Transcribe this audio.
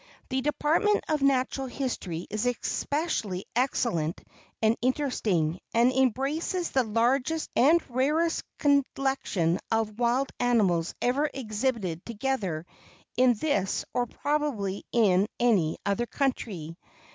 The department of natural history is especially excellent and interesting, and embraces the largest and rarest collection of wild animals ever exhibited together in this or probably in any other country.